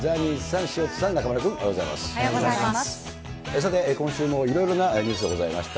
さて、今週もいろいろなニュースがございました。